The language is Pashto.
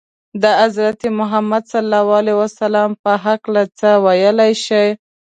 د حضرت محمد ﷺ په هکله څه ویلای شئ؟